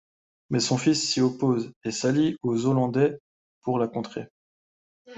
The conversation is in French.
Mais son fils s'y oppose et s'allie aux Hollandais pour la contrer.